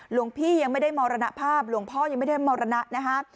หลวงพี่ยังไม่ได้มรณภาพหลวงพ่อยังไม่ได้มรณะนะฮะ